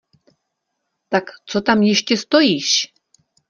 Tak co tam ještě stojíš?